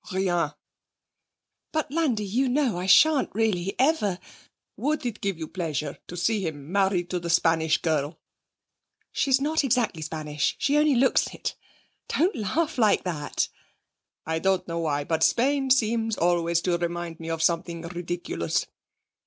'Rien.' 'But, Landi, you know I shan't really ever...' 'Would it give you pleasure to see him married to the Spanish girl?' 'She's not exactly Spanish she only looks it. Don't laugh like that!' 'I don't know why, but Spain seems always to remind me of something ridiculous.